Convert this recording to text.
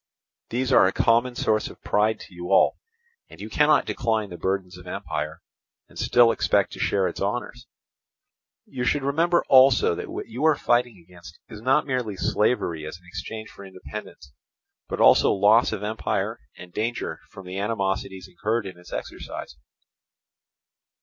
These are a common source of pride to you all, and you cannot decline the burdens of empire and still expect to share its honours. You should remember also that what you are fighting against is not merely slavery as an exchange for independence, but also loss of empire and danger from the animosities incurred in its exercise.